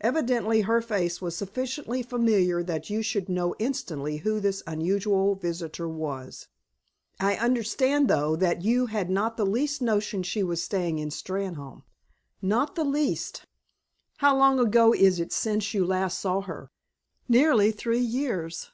Evidently, her face was sufficiently familiar that you should know instantly who this unusual visitor was. I understand, though, that you had not the least notion she was staying in Steynholme?" "Not the least." "How long ago is it since you last saw her?" "Nearly three years."